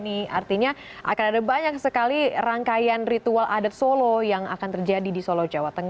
ini artinya akan ada banyak sekali rangkaian ritual adat solo yang akan terjadi di solo jawa tengah